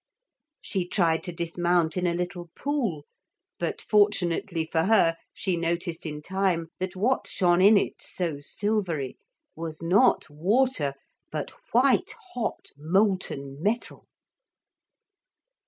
She tried to dismount in a little pool, but fortunately for her she noticed in time that what shone in it so silvery was not water but white hot molten metal.